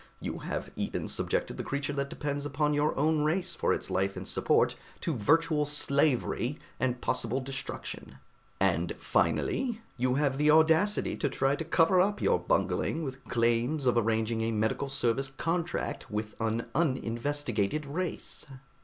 You have even subjected the creature that depends upon your own race for its life and support to virtual slavery and possible destruction; and finally, you had the audacity to try to cover up your bungling with claims of arranging a medical service contract with an uninvestigated race."